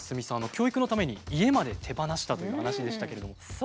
教育のために家まで手放したという話でしたけれども。